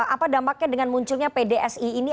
apa dampaknya dengan munculnya pdsi ini